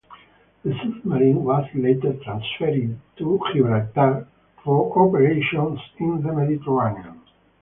The submarine was later transferred to Gibraltar for operations in the Mediterranean.